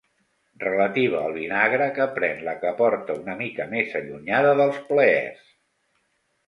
Relativa al vinagre que pren la que porta una mica més allunyada dels plaers.